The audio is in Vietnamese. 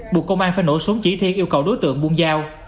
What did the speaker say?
buộc công an phải nổ súng chỉ thiết yêu cầu đốt tượng buông dao